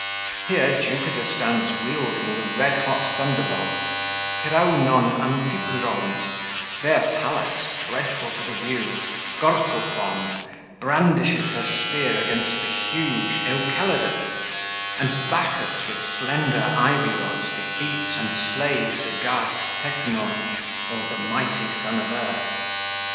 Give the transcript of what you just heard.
Here Jupiter stands wielding the red hot thunderbolts, keraunon amphipuron; there Pallas, dreadful to the view, Gorgopon, brandishes her spear against the huge Euceladus; and Bacchus, with slender ivy rods, defeats and slays the ges teknon, or the mighty son of earth.